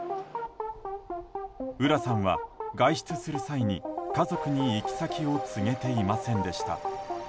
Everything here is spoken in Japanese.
浦さんは、外出する際に家族に行き先を告げていませんでした。